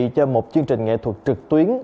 cho một chương trình nghệ thuật trực tuyến